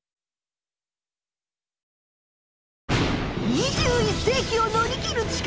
２１世きを乗り切る力。